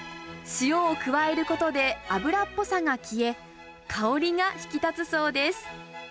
塩を加えることで脂っぽさが消え、香りが引き立つそうです。